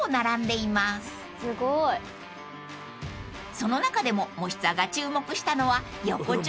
［その中でも『もしツア』が注目したのは］